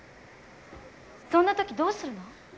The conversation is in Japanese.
そんな時どうするの？